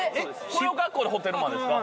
この格好でホテルマンですか？